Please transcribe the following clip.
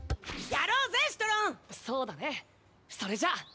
そうだね、それじゃ！